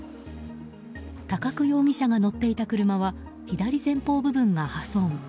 高久容疑者が乗っていた車は左前方部分が破損。